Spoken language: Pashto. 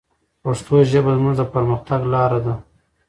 پښتو ژبه زموږ د پرمختګ لاره ده.